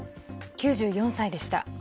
９４歳でした。